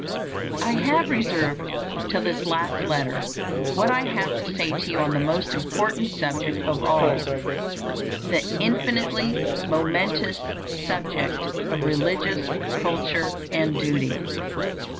I have reserved till this last letter what I have to say to you on the most important subject of all: the infinitely momentous subject of religious culture and duty.